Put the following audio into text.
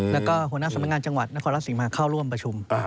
แล้วก็หัวหน้าสำนักงานจังหวัดนครรัฐศรีมาเข้าร่วมประชุม